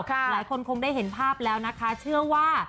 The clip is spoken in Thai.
หลายคนคงได้เห็นภาพแล้วนะคะเชื่อว่า